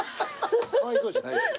かわいそうじゃないです。